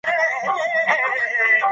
د باور ترلاسه کول وخت او هڅې ته اړتیا لري.